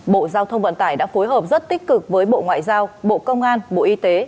bộ giao thông vận tải đã phối hợp rất tích cực với bộ ngoại giao bộ công an bộ y tế